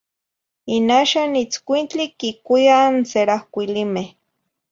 In axah nitzcuintli quicuiah n ceraocuilimeh.